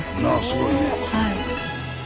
すごいね。